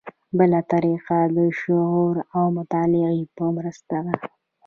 بله طریقه د شعور او مطالعې په مرسته ده.